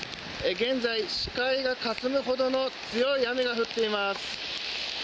現在、視界がかすむほどの強い雨が降っています。